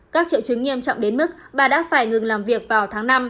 các triệu chứng nghiêm trọng đến mức bà đã phải ngừng làm việc vào tháng năm